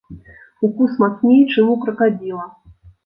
Укус мацней, чым у кракадзіла.